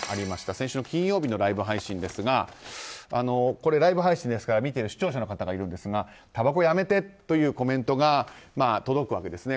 先週の金曜日のライブ配信ですがライブ配信ですから見ている視聴者の方がいるんですがたばこをやめてというコメントが届くわけですね。